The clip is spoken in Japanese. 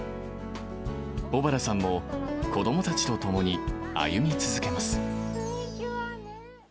小原さんも子どもたちと共に歩み続けます。